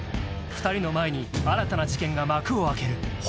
２人の前に新たな事件が幕を開ける。